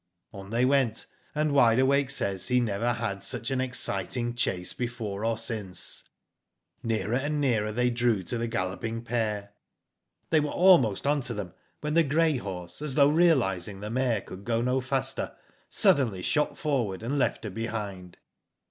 "On they went, and Wide Awake says he never had such an exciting chase before or since. Nearer and nearer they drew to the galloping pair. "They were almost on to them, when the grey horse, as though realising the mare could go no faster, suddenly shot forward, and left her behind.